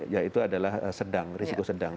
yaitu adalah sedang risiko sedang